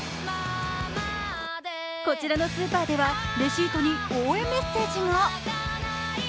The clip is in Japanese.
こちらのスーパーではレシートに応援メッセージが。